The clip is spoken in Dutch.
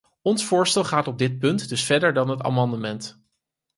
Ons voorstel gaat op dit punt dus verder dan het amendement.